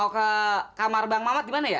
mau ke kamar bang mamat di mana ya